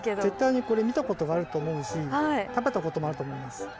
絶対にこれ見たことがあると思うし食べたこともあると思います。